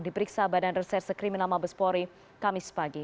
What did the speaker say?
diperiksa badan reserse kriminal mabespori kamis pagi